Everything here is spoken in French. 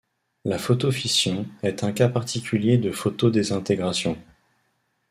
La photofission est un cas particulier de photodésintégration.